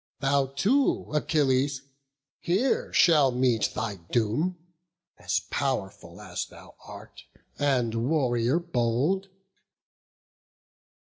Thou too, Achilles, here shalt meet thy doom, All pow'rful as thou art, and warrior bold."